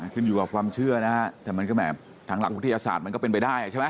ขึ้นอยู่กับความเชื่อนะฮะแต่มันก็แหมทางหลักวิทยาศาสตร์มันก็เป็นไปได้ใช่ไหม